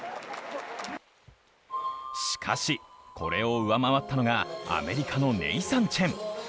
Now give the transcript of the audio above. しかし、これを上回ったのがアメリカのネイサン・チェン。